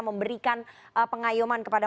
memberikan pengayuman kepada